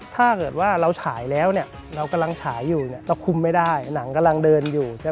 ถ้าเกิดว่าเราฉายแล้วเรากำลังฉายอยู่เราคุมไม่ได้หนังกำลังเดินอยู่